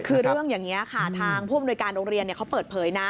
คือเรื่องอย่างนี้ค่ะทางผู้อำนวยการโรงเรียนเขาเปิดเผยนะ